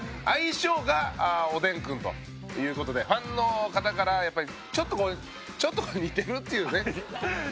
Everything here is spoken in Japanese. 愛称がおでんくんという事でファンの方からやっぱりちょっとちょっと似てるっていうね。